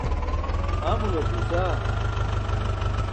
amular duusaa